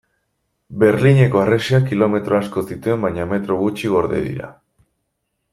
Berlineko harresiak kilometro asko zituen baina metro gutxi gorde dira.